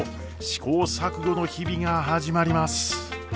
試行錯誤の日々が始まります。